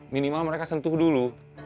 minimal mereka sentuh dulu